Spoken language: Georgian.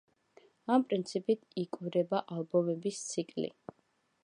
ამ პრინციპით, იკვრება ალბომების ციკლი.